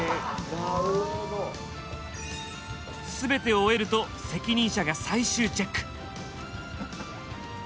全てを終えると責任者が最終チェック。